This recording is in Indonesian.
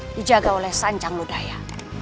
dijaga oleh sancang ludhaya